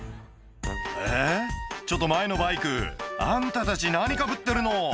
えっちょっと前のバイクあんたたち何かぶってるの？